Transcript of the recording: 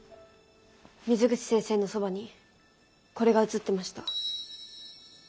水口先生のそばにこれが映ってました。